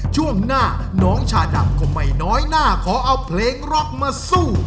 ช่วงหน้าน้องชาดำก็ไม่น้อยหน้าขอเอาเพลงร็อกมาสู้